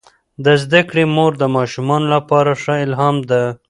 د زده کړې مور د ماشومانو لپاره ښه الهام ده.